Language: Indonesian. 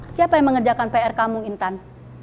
siapa yang mengerjakan pr kamu intan